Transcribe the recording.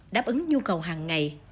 đúng ứng nhu cầu hàng ngày